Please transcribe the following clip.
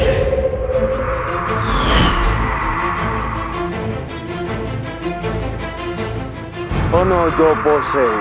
aku akan mengalahkanmu